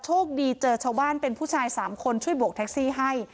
โชคดีเจอชาวบ้านเป็นผู้ชาย๓คนช่วยโบกแท็กซี่ให้